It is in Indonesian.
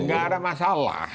enggak ada masalah